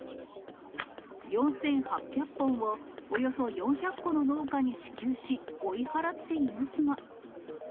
４８００本をおよそ４００戸の農家に支給し、追い払っていますが。